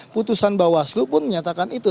putusan bawaslu pun menyatakan itu